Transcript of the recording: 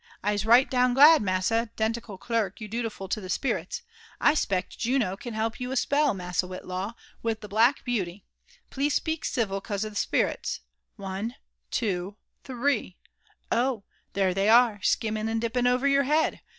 " I'se right down glad, massa 'dential clerk, you dutiful to the spirits. I 'spect Juno can help you a spell, Massa Whitlaw, with the black beauty. — Please speak civil, 'cause of the spirits One — two — ^^Ihree. Oh! there they are, skimming and dipping over your head.